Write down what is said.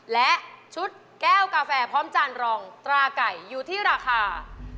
และชุดแก้วกาแฟพร้อมจานรองตราไก่อยู่ที่ราคา